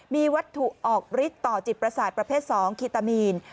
มีวัตถุออกฤทธิ์ต่อจิตประสาทประเภท๒เคตามีน